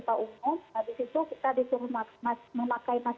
tapi kita hanya dihubungkan untuk tidak keluar ke tempat umum